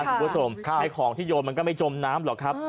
คุณผู้ชมไอ้ของที่โยนมันก็ไม่จมน้ำหรอกครับ